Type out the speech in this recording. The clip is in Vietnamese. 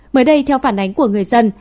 mới đây theo phản ánh của người dân